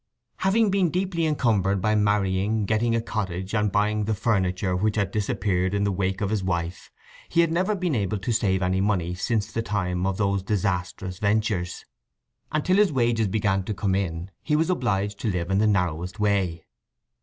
Having been deeply encumbered by marrying, getting a cottage, and buying the furniture which had disappeared in the wake of his wife, he had never been able to save any money since the time of those disastrous ventures, and till his wages began to come in he was obliged to live in the narrowest way.